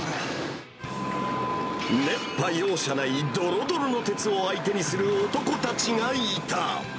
熱波容赦ないどろどろの鉄を相手にする男たちがいた。